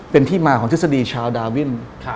เป็นที่มาของทฤษฎีชาวดาวิน